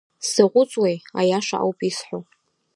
Сзаҟәыҵуеи, аиаша ауп исҳәо.